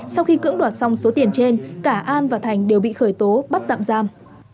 sau khi cưỡng đoạt xong số tiền trên cả an và thành đều bị khởi tố bắt tạm giam